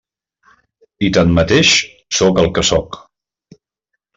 I tanmateix, sóc el que sóc.